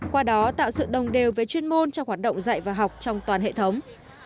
qua đó tạo sự đồng đều với chuyên môn trong hoạt động dạy và học trong toàn hệ thống